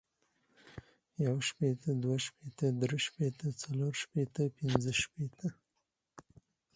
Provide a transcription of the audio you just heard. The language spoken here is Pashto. يو شپيته ، دوه شپيته ،دري شپیته ، څلور شپيته ، پنځه شپيته،